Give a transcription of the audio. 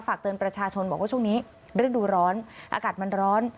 ฝากเตือนประชาชนบอกว่าช่วงนี้ฤดูร้อนอากาศมันร้อน